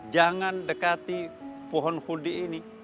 jangan dekati pohon hudi ini